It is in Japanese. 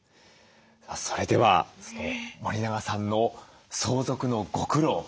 それでは森永さんの相続のご苦労